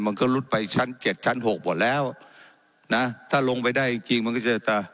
มันก็ลุดไปชั้นเจ็ดชั้นหกหมดแล้วนะถ้าลงไปได้จริงจริงมันก็จะ